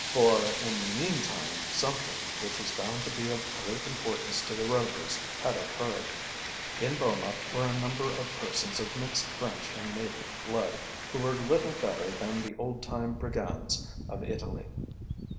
For in the meantime something which was bound to be of great importance to the Rovers had occurred. In Boma were a number of persons of mixed French and native blood who were little better than the old time brigands of Italy.